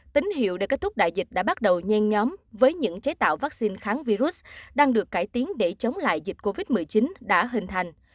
tín hiệu để kết thúc đại dịch đã bắt đầu nhen nhóm với những chế tạo vaccine kháng virus đang được cải tiến để chống lại dịch covid một mươi chín đã hình thành